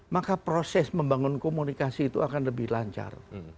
maka proses membangun komunikasi itu akan lebih lancar